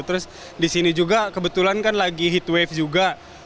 terus di sini juga kebetulan kan lagi heat wave juga